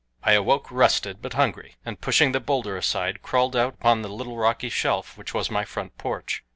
I awoke rested but hungry, and pushing the bowlder aside crawled out upon the little rocky shelf which was my front porch.